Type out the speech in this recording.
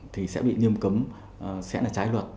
thì sẽ bị nghiêm cấm sẽ là trái luật